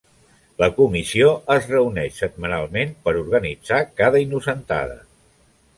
La Comissió es reuneix setmanalment per organitzar cada Innocentada.